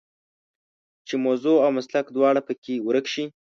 چې موضوع او مسلک دواړه په کې ورک شي.